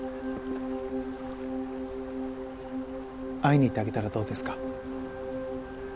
会いに行ってあげたらどうですか？